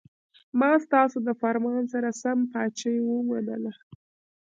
ما ستاسو د فرمان سره سم پاچهي ومنله.